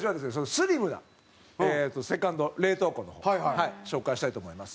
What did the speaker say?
スリムなセカンド冷凍庫の方紹介したいと思います。